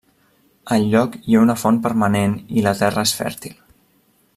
Al lloc hi ha una font permanent i la terra és fèrtil.